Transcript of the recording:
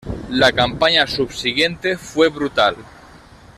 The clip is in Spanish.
La campaña subsiguiente fue brutal.